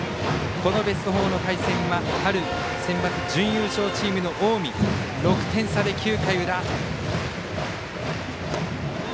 このベスト４の対戦は春センバツ準優勝チームの近江６点差で９回裏。